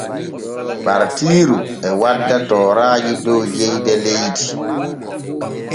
Ɓartiiru e wadda tooraaji dow jeyde leydi.